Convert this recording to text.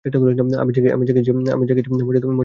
আমি যাকে ইচ্ছা মর্যাদায় উন্নীত করি।